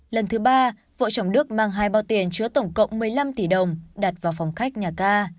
lần thứ ba vợ chồng đức mang hai bao tiền chứa tổng cộng một mươi năm tỷ đồng đặt vào phòng khách nhà ca